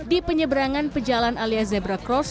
di penyeberangan pejalan alias zebra cross